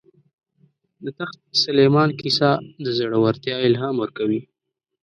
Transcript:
د تخت سلیمان کیسه د زړه ورتیا الهام ورکوي.